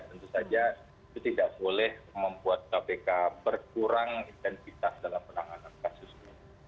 tentu saja itu tidak boleh membuat kpk berkurang identitas dalam penanganan kasus ini